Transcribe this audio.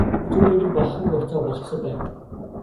Үзүүрийг нь багахан гогцоо болгосон байв.